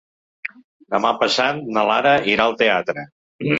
Demà passat na Lara irà al teatre.